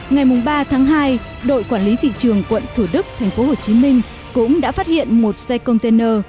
ngày ba tháng hai đội quản lý thị trường quận thủ đức tp hcm cũng đã phát hiện một xe container